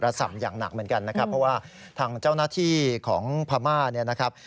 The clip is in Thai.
ส่ำอย่างหนักเหมือนกันนะครับเพราะว่าทางเจ้าหน้าที่ของพม่าเนี่ยนะครับ